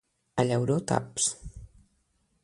A Llauró, taps.